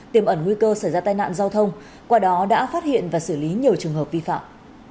tiềm ẩn nguy cơ xảy ra tai nạn giao thông qua đó đã phát hiện và xử lý nhiều trường hợp vi phạm